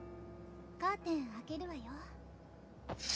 カーテン開けるわよ。